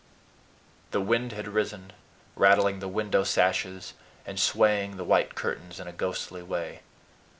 The wind had risen, rattling the window sashes and swaying the white curtains in a ghostly way.